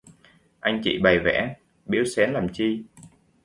Anh chị bày vẽ, biếu xén làm chi